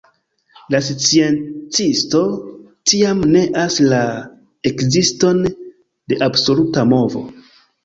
La sciencisto tiam neas la ekziston de absoluta movo.